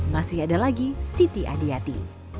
masih ada lagi siti adi